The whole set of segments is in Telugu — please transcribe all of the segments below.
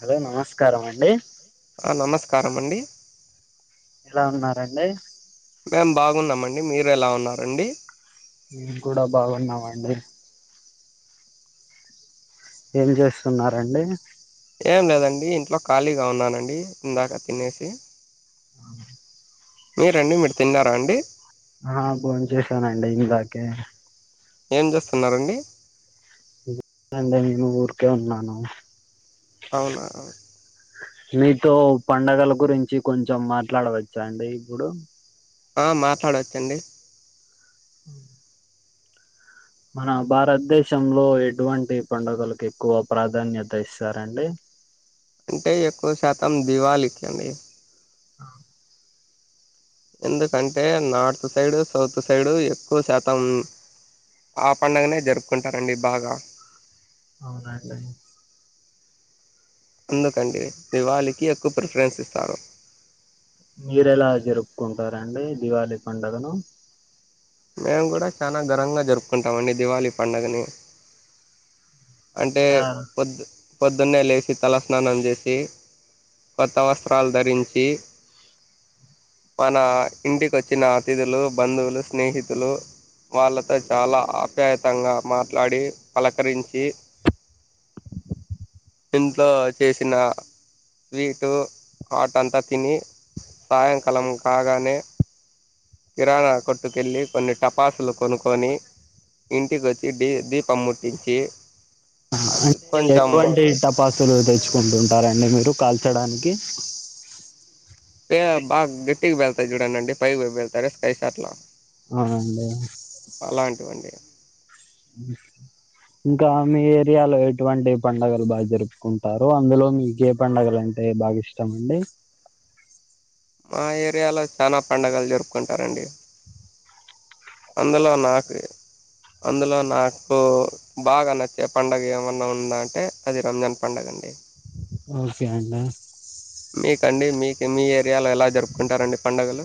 హలో నమస్కారం అండి ఆ నమస్కారం అండి ఎలా ఉన్నారండి మేం బాగున్నామండి మీరు ఎలా ఉన్నారండి మేం కూడా బాగున్నామండి ఏం జేస్సున్నారండి ఏం లేదండి ఇంట్లో ఖాళీగా ఉన్నానండి ఇందాక తినేసి మీర్ అండి మీరు తిన్నారా అండి ఆ భోన్ చేశానండి ఇందాకే ఏం జేస్తున్నారండి అండే నేను ఊరికే ఉన్నాను అవునా మీతో పండుగల గురించి కొంచెం మాట్లాడవచ్చా అండి ఇప్పుడు ఆ మాట్లాడవచ్చండి హ మన భారతదేశంలో ఎటువంటి పండుగలకు ఎక్కువ ప్రాధాన్యత ఇస్తారండి అంటే ఎక్కువ శాతం దివాలికి అండి ఆ ఎందుకంటే నార్త్ సైడు సౌత్ సైడు ఎక్కువ శాతం ఆ పండగనే జరుపుకుంటారండి బాగా అవునాఅండి అందుకండి దివాళికి ఎక్కువ ప్రిఫరెన్స్ ఇస్తారు మీరు ఎలా జరుపుకుంటారండి దివాళీ పండుగను మేము కూడా చాలా ఘనంగా జరుపుకుంటాము అండి దివాళీ పండుగని అంటే పొద్దు పొద్దున్నే లేసి తలస్నానం చేసి కొత్త వస్త్రాలు ధరించి మన ఇంటికి వచ్చిన అతిథులు బంధువులు స్నేహితులు వాళ్ళతో చాలా ఆప్యాయతంగా మాట్లాడి పలకరించి ఇంట్లో చేసిన స్వీటు హాట్ అంతా తిని సాయంకాలం కాగానే కిరాణ కొట్టుకెల్లి కొన్ని టపాసులు కొనుక్కొని ఇంటికి వచ్చి డీ దీపం ముట్టించి అంటే కొంచెం ఎటువంటి టపాసులు తెచ్చుకుంటుంటారండి మీరు కాల్ చ్చడానికి పే బాగా గట్టిగా బళ్తా జూడ న అండి పై బళ్తార స్కై సార్ట్లా [unintelligible] అవునండి అ ఇంకా మీ ఏరియాలో ఎటువంటి పండగలు బాగా జరుపుకుంటారు అందులో మీకే పండుగలు అంటే టే బాగా ఇష్ట మండి మా ఏరియాలో చానా పండుగలు జరుపుకుంటారండి అందులో నాకు అందులో నాకు బాగా నచ్చే పండుగ ఏమన్నా ఉందా అంటే అది రంజాన్ పండుగ అండి ఓకే అండి మీకండి మీకు మీ ఏరియాలో ఎలా జరుపుకుంటారండి పండుగలు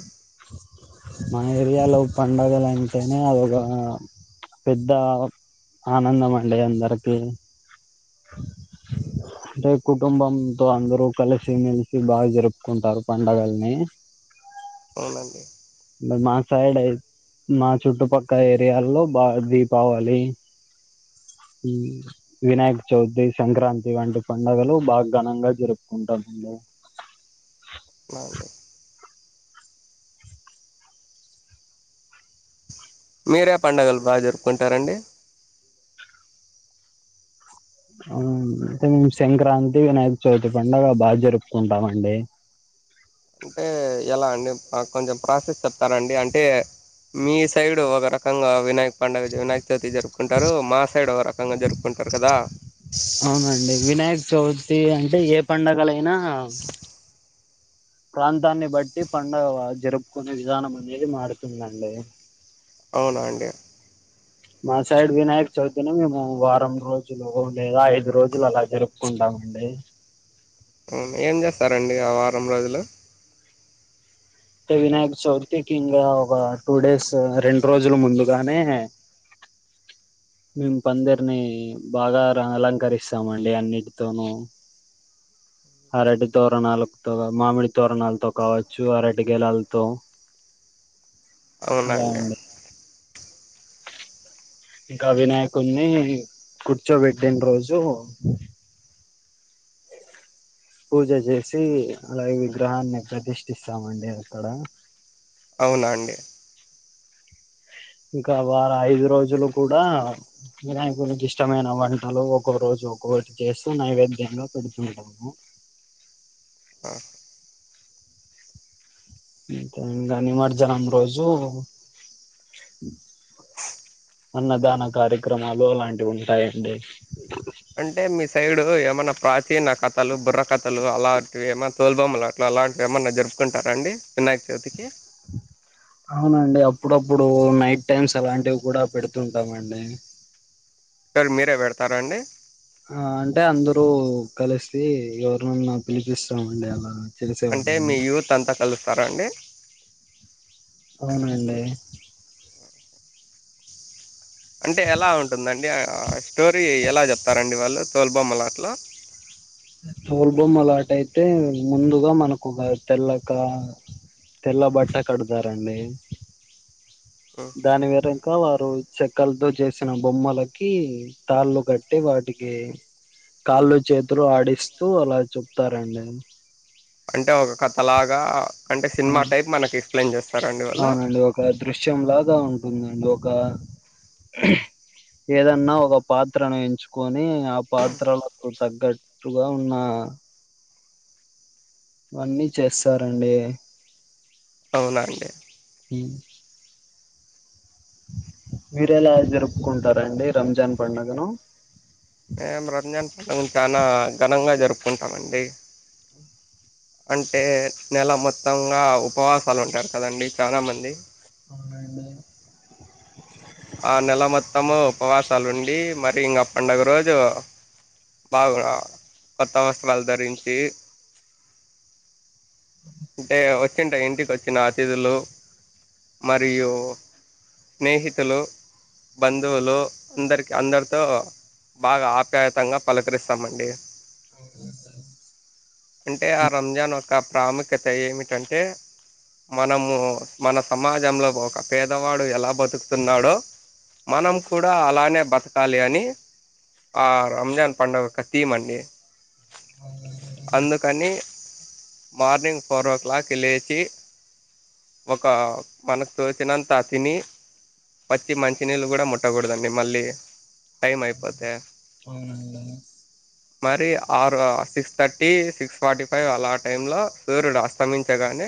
మా ఏరియాలో పండగలు అంటేనే అదొక పెద్ద ఆనందం అండి అందరికి అంటే కుటుంబంతో అందరు కలిసి మెలిసి బాగా జరుపుకుంటారు పండగల్ని ఉే [unintelligible] మా సైడ్ మా చుట్టుపక్క ఏరియాల్లో బాగా దీపావళి ఉం వినాయక చవితి సంక్రాంతి వంటి పండుగలు బాగా ఘనంగా జరుపుకుంటా మండి అవును మీరే పండగలు బాగా జరుపుకుంటారండి అయితే మేము సంక్రాంతి వినాయక చవితి పండుగ బాగా జరుపుకుంటామండి అంటే ఎలా అండి మాకు కొంచెం ప్రాసెస్ చెప్తారండి అంటే మీ సైడ్ ఒక ర కంగా వినాయక్ పండగ వినాయక చవితి జరుపుకుంటారు మా సైడ్ ఒక రకంగా జరుపుకుంటారు కదా అవునండి వినాయక చవితి అంటే ఏ పండగలైనా ప్రాంతాన్ని బట్టి పండగ వాద్ జరుపుకునే విధానం అనేది మారుతుందండి అవునా అండి మా సైడ్ వినాయక చవితిని మేము వారం రోజులు లేదా ఐదు రోజులు అలా జరుపుకుంటాము అండి ఉమ్ ఏం జేస్తారండి ఆ వారం రోజులు ఏ వినాయక చవితికి ఇంగ ఒ టూ డేస్ రెండు రోజుల ముందుగానే [inaudible] మేము పందిరిని బాగా అలంకరిస్తామండి అన్నిటితోనూ అరటి తోరణాలతో మామిడి తోరణాలతో కావచ్చు అరటి గెలల్తో [inaudible] అవునా అండి ఇంకా వినాయకుని కూర్చోబెట్టిన రోజు [inaudible] పూజ జేసి అలాగే విగ్రహాన్ని ప్రతిష్ఠిస్తామండి అక్కడ అవునా అండి ఇంకా వారు ఐదు రోజులు కూడా వినాయకునికి ఇష్టమైన వంటలు ఒక్కో రోజు ఒక్కొక్కటి చేస్తూ నైవేద్యంగా పెడుతుంటాము [inaudible] ఆ ఇంగ నిమర్జనం రోజు అన్నదాన కార్యక్రమాలు అలాంటివి ఉంటాయండి అంటే మీ సైడు ఎం ఏమన్నా ప్రాచీన కథలు బుర్ర కథలు అలాంటివి ఏమన్నా తోల్బొమ్మలాట్లు అలాంటివి ఏమన్నా జరుపుకుంటారా అండి వినాయక చవితికి [inaudible] అవునండి అప్పుడప్పుడు నైట్ టైమ్స్ అలాంటివి కూడా పెడుతూ ఉంటామండి సార్ మీరే పెడతారా అండి ఆ అంటే అందరూ కలిసి ఎవరినన్నా పిలిపిస్తామండి అలా అంటే చేసేవాళ్ళని మీ యూత్ అంతా కలుస్తారా అండి అవునండి అంటే ఎలా ఉంటుందండి ఆ స్టోరీ ఎలా జెప్తారండి వాళ్ళు తోల్బొమ్మలాట్లో తోల్బొమ్మలాట అయితే ముందుగా మనకు ఒక తెల్ల క్లా తెల్ల బట్ట కడతారండి హ్మ్. దాని వేర ఇంకా వారు చెక్కలతో చేసిన బొమ్మలకి తాళ్ళు కట్టి వాటికి కాళ్ళు చేతులు ఆడిస్తూ అలా చెప్తారండి అంటే ఒక కథ లాగా అంటే ఆ సినిమా టైప్ మనకు ఎక్స్ప్లెయిన్ చేస్త అవునండి ఒక దృశ్యంలాగా ఉంటుందండి ఒక ఏదన్నా ఒక పాత్రను ఎంచుకొని ఆ పాత్రలకు తగ్గట్టుగా ఉన్న ఆ ఇవన్నీ చేస్తారండి అవునాండి మ్ మీరు ఎలా జరుపుకుంటారండి రంజాన్ పండగను మేము రంజాన్ పండగను చాన ఘనంగా జరుపుకుంటామండి అంటే నెల మొత్తంగా ఉపవాసాలు ఉంటారు కదండి చానా మంది అవునా అండి ఆ నెల మొత్తము ఉపవాసాలు ఉండి మరి ఇంగ పండగ రోజు బాగా కొత్త వస్త్రాలు ధరించి అంటే వ వచ్చింటె ఇంటికి వచ్చిన అతిథులు మరియు స్నేహి తులు బంధువులు అందరికి అందరితో బాగా ఆప్యాయతంగా పలకరిస్తామండి అవునా సార్ అంటే ఆ రంజాన్ యొక్క ప్రాముఖ్యత ఏమిటంటే మనము మన సమాజంలో ఒక పేదవాడు ఎలా బతుకు తున్నాడో మనం కూడా అలానే బతకాలి అని ఆ రంజాన్ పండగ యొక్క తీమ్ అండి అందుకని మార్నింగ్ ఫోర్ ఓ క్లాక్ కి లేచి ఒక మనకు తోచినంత తిని పచ్చి మంచినీళ్ళు కూడా ముట్టకూడదండి మళ్ళీ టైం అయిపోతే అవునండీ మరి ఆరు six thirty six forty five అలా టైంలో సూర్యుడు అస్తమించగానే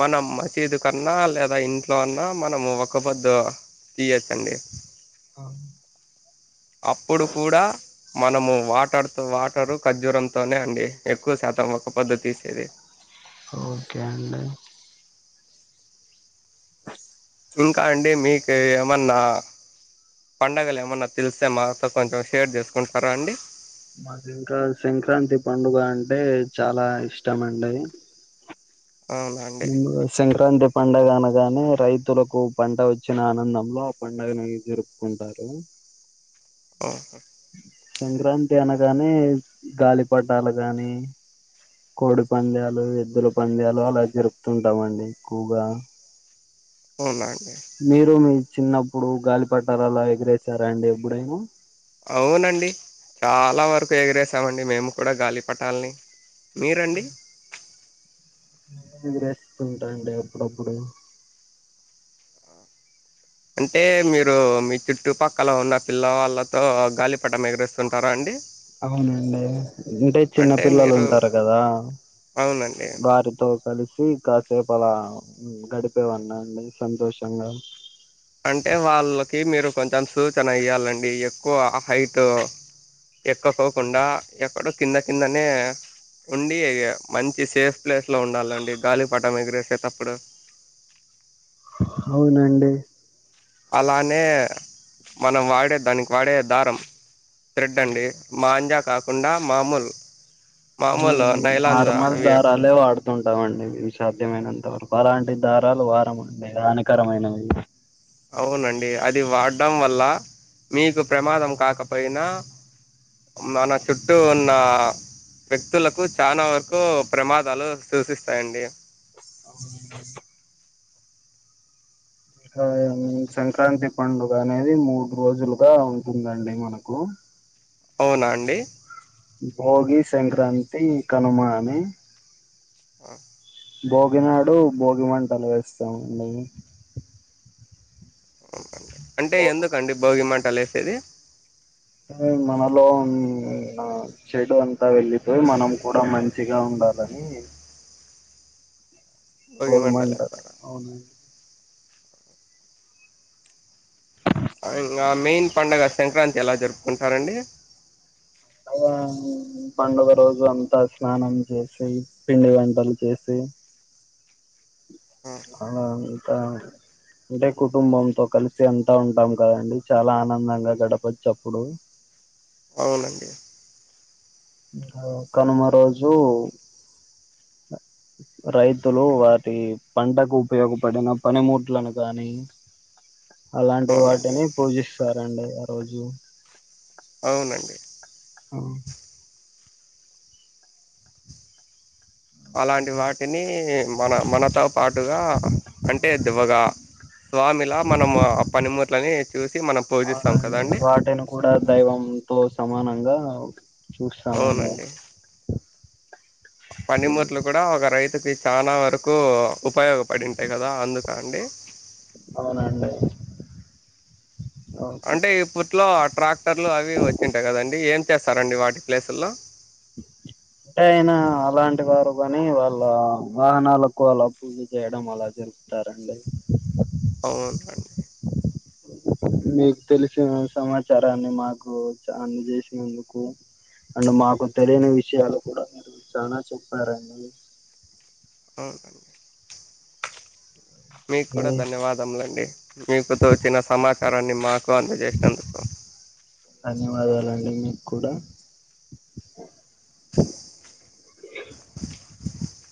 మనం మసీదు కన్నా లేదా ఇంట్లో అన్నా మనము ఒకపోద్ద తీయవచ్ఛుఅండి అప్పుడు కూడా మనము వాటర్ వాటరు ఖర్జూరం తోనే అండి ఎక్కువ శాతం ఒక పొద్దు తీసేది ఓకే అండి ఇంకా అండి మీకు ఏమన్నా పండగలు ఏమన్నా తెలిస్తే మాతో కొంచెం షేర్ చేసుకుంటారా అండి మాకు ఇంకా సంక్రాంతి పండుగ అంటే చాలా ఇష్టమండి అవునా అండి ముందుగా సంక్రాంతి ఎ పండగ అనగానే రైతులకు పంట వచ్చిన ఆనందంలో ఆ పండుగని జరుపుకుంటారు ఓహో సంక్రాంతి అనగానే గాలిపటాలు గాని కోడి పందేలు ఎద్దుల పందేలు అలా జరుపుతుంటామండి ఎక్కువగా అవునా అండి మీరు మీ చిన్నప్పుడు గాలిపటాలు అల ఎగరేశారాండి ఎప్పుడైనా అవునండి చాలా వరకు ఎగిరేసామండి మేము కూడా గాలిపటాలని మీరండి ఎగరేస్తుంటాండి అప్పుడప్పుడు అంటే మీరు మీ చుట్టుపక్కల ఉన్న పిల్ల వాళ్ళతో గాలిపటం ఎగరేస్తుంటార అండి అవునండి అంటే చిన్న పిల్లలు ఉంటారు కదా అవునండి వారితో కలిసి కాసేపలా ఊ గడిపేవాన్నండి సంతోషంగా అంటే వాళ్ళకి మీరు కొంచెం సూచన ఇయ్యాలండి ఎక్కువ హైట్ ఎక్కకోకుండా ఎక్కడో కింద కిందనే ఉండి ఇగ మంచి సేఫ్ ప్లేస్ లో ఉండాలండి గాలిపటం ఎగిరేసేటప్పుడు అవునండి అలానే మనం వాడే దానికి వాడే దారం థ్రెడ్ అండి మాంజా కాకుండా మామూలు మామూలు నైలాన్ నార్మల్ అవి దారాలే వాడుతుంటమండి ఇవి షాద్యమైనంత వరకు అలాంటి దారాలు వారం అండి హానికరమైనవి అవునండి అది వాడం వల్ల మీకు ప్రమాదం కాకపోయినా మన చుట్టూ ఉన్న వ్యక్తులకు చాలా వరకు ప్రమాదాలు సూచిస్తాయండి ఆవునండి ఆ యం సంక్రాంతి పండుగ అనేది మూడు రోజులుగా ఉంటుందండి మనకు అవునా అండి భోగి సంక్రాంతి కనుమాని అ భోగి నాడు భోగి మంటలు వేస్తామండి అంటే ఎందుకండి భోగిమంటలు ఏసేది ఉ మనలో ఉన్న చెడు అంతా వెళ్ళిపోయి మనం కూడా మంచి మంచిగా ఉండాలని భోగి మంటలు అవును ఆ ఇంకా మెయిన్ పండగ సంక్రాంతి ఎలా జరుపుకుంటారండి అ పండుగ రోజు అంతా స్నానం చేసి పిండి వంటలు చేసి ఉ అదంతా అంటే కుటుంబంతో కలిసి అంతా ఉంటాం కదండి చాలా ఆనందంగా గడపచ్చు అప్పుడు [inaudible] అవునండి. ఆ కనుమ రోజు రైతులు వాటి పంటకు ఉపయోగపడిన పనిముట్లను కానీ అలాంటి అవునండి వాటిని పూజిస్తారండి ఆ రోజు అవునండి. ఊ అలాంటి వాటిని మన మనతో పాటుగా అంటే దివ్వగా స్వామిలా మనము ఆ పనిముట్లని చూసి మనం పూజిస్తాం అవునండి కదండి. వాటిని దైవంతో సమానం. ఓకే చూస్తామండి. అవునండి పనిముట్లు కూడా ఒక రైతుకి చాలా వరకు ఉపయోగపడింటాయి కదా అందుకు అండి. అవునండి. ఓకే అంటే ఇప్పట్లో ట్రాక్టర్లు అవి వచ్చింటాయి కదండి ఏం చేస్తారండి వాటి ప్లేసుల్లో [inaudible] అంటే అయినా అలాంటి వారు కాని వాళ్ళ వాహనాలకు అలా పూజ చేయడం అలా జరు టరండి అవున్ [unintelligible] డి. మీక్ తెలిసిన సమాచారాన్ని మాకు చ అందదేసినందుకు. అండ్ మాకు తెలియని విషయాలు కూడా మీరు చానా చెప్పారండి. [inaudible] మీ మీక్కూడా ధన్యవాదములండి మీకు తోచిన సమాచారాన్ని మాక్ ధన్యవాదాలండి మీ కూడ